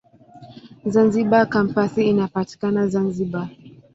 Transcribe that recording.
Zanzibar Kampasi inapatikana Zanzibar.